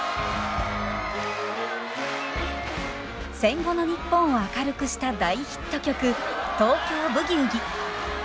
戦後の日本を明るくした大ヒット曲「東京ブギウギ」。